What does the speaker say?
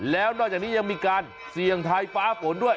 แล้วนอกจากนี้ยังมีการเสี่ยงทายฟ้าฝนด้วย